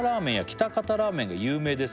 「喜多方ラーメンが有名ですが」